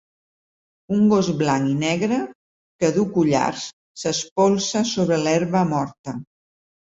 Un gos blanc i negre que duu collars s'espolsa sobre l'herba morta.